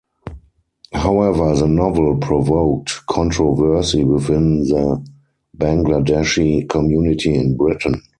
However the novel provoked controversy within the Bangladeshi community in Britain.